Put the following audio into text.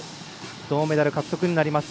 銅メダル獲得になります。